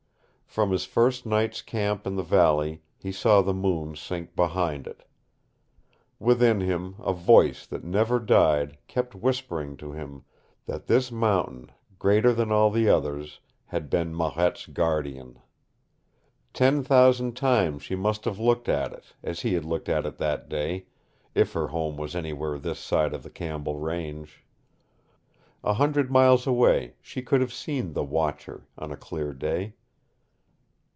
From his first night's camp in the valley he saw the moon sink behind it. Within him a voice that never died kept whispering to him that this mountain, greater than all the others, had been Marette's guardian. Ten thousand times she must have looked at it, as he had looked at it that day if her home was anywhere this side of the Campbell Range. A hundred miles away she could have seen the Watcher on a clear day.